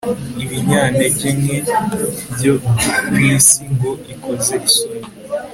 ibinyantege nke byo mu isi ngo ikoze isoni